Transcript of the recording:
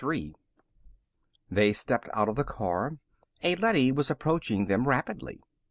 They stepped out of the car. A leady was approaching them rapidly.